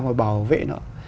mà bảo vệ nó